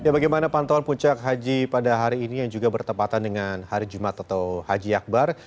bagaimana pantauan puncak haji pada hari ini yang juga bertepatan dengan hari jumat atau haji akbar